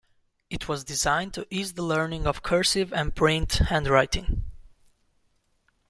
It was designed to ease the learning of cursive and print handwriting.